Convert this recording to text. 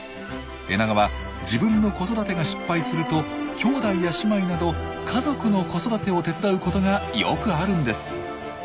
エナガは自分の子育てが失敗すると兄弟や姉妹など家族の子育てを手伝うことがよくあるんです。